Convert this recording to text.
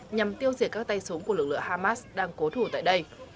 nhằm tiêu diệt các tay súng của lực lượng hamas đang cố thủ tại đây